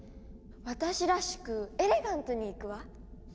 私らしくエレガントにいくわ！